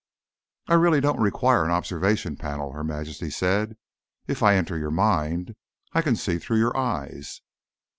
"I really don't require an observation panel," Her Majesty said. "If I enter your mind, I can see through your eyes."